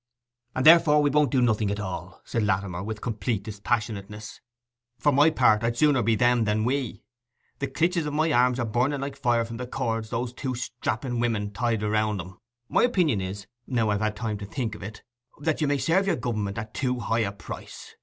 'And therefore we won't do nothing at all,' said Latimer, with complete dispassionateness. 'For my part, I'd sooner be them than we. The clitches of my arms are burning like fire from the cords those two strapping women tied round 'em. My opinion is, now I have had time to think o't, that you may serve your Gover'ment at too high a price.